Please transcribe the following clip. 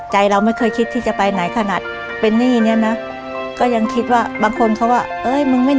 ใจเราไม่เคยคิดที่จะไปไหนขนาดเบนนี่เนี่ยนะก็ยังคิดว่ามาคนเขาว่าเอ้ยคนิงที่ใบมึงไปมึงก็รอดเราทำไม่ได้